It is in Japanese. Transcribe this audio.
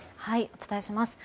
お伝えします。